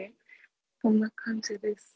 こんな感じです。